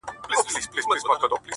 غمی ورک سو د سړي پر سترګو شپه سوه.